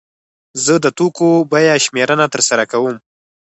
زه د توکو بیا شمېرنه ترسره کوم.